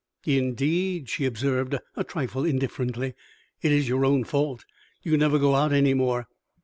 "Indeed!" she observed, a trifle indifferently. "It is your own fault. You never go out any more.